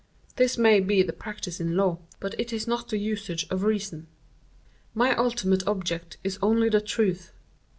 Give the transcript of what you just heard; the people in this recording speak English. This may be the practice in law, but it is not the usage of reason. My ultimate object is only the truth.